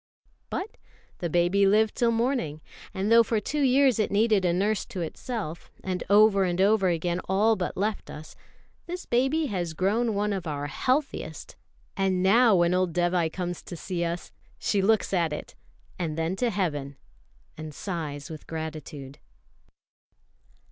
But the baby lived till morning; and though for two years it needed a nurse to itself, and over and over again all but left us, this baby has grown one of our healthiest; and now when old Dévai comes to see us she looks at it, and then to Heaven, and sighs with gratitude.